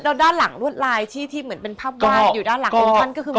แล้วด้านหลังรวดลายที่เหมือนเป็นภาพวาดอยู่ด้านหลังของท่านก็คือ